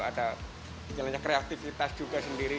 ada istilahnya kreativitas juga sendiri